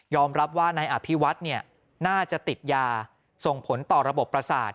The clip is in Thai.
รับว่านายอภิวัฒน์น่าจะติดยาส่งผลต่อระบบประสาท